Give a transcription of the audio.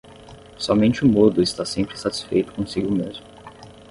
Somente o mudo está sempre satisfeito consigo mesmo.